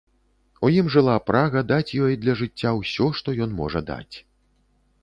У ім жыла прага даць ёй для жыцця ўсё, што ён можа даць.